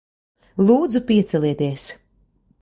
Lūdzu, piecelieties.